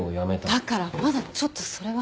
だからまだちょっとそれは。